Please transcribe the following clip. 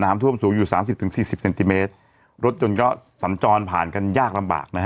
ท่วมสูงอยู่สามสิบถึงสี่สิบเซนติเมตรรถยนต์ก็สัญจรผ่านกันยากลำบากนะฮะ